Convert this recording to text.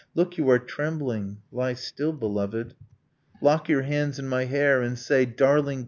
... Look, you are trembling. ... Lie still, beloved! Lock your hands in my hair, and say Darling!